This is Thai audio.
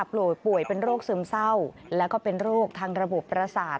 ป่วยป่วยเป็นโรคซึมเศร้าแล้วก็เป็นโรคทางระบบประสาท